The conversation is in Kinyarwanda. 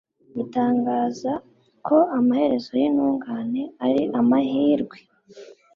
itangaza ko amaherezo y'intungane ari amahirwe